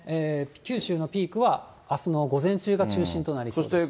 九州のピークはあすの午前中が中心となりそうです。